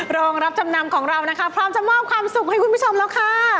รองรับจำนำของเรานะคะพร้อมจะมอบความสุขให้คุณผู้ชมแล้วค่ะ